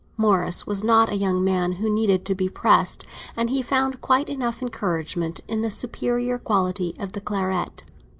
Morris was not a young man who needed to be pressed, and he found quite enough encouragement in the superior quality of the claret.